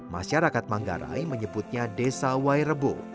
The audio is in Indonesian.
masyarakat manggarai menyebutnya desa wairebo